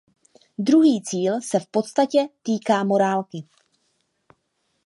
Druhý cíl se v podstatě týká morálky.